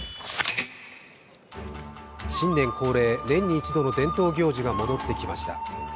新年恒例、年に一度の伝統行事が戻ってきました。